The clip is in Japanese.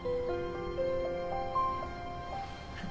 あっ。